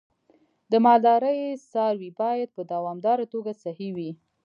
د مالدارۍ څاروی باید په دوامداره توګه صحي وي.